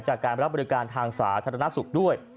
จากการรับบริการทางศาสถ์หน้าสุขด้วย